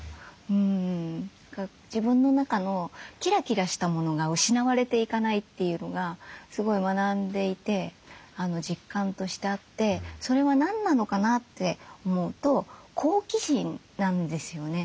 自分の中のキラキラしたものが失われていかないというのがすごい学んでいて実感としてあってそれは何なのかなって思うと好奇心なんですよね。